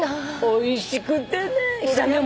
おいしくてね。